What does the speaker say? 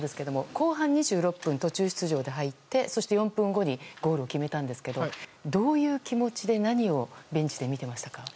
後半２６分、途中出場で入ってそして４分後にゴールを決めたんですがどういう気持ちで何をベンチで見ていましたか？